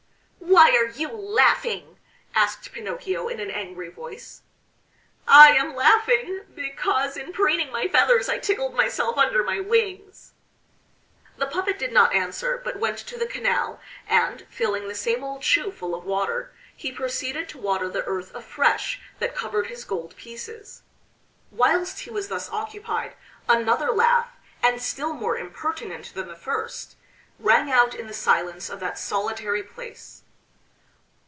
"Why are you laughing?" asked Pinocchio in an angry voice. "I am laughing because in preening my feathers I tickled myself under my wings." The puppet did not answer, but went to the canal and, filling the same old shoe full of water, he proceeded to water the earth afresh that covered his gold pieces. Whilst he was thus occupied another laugh, and still more impertinent than the first, rang out in the silence of that solitary place.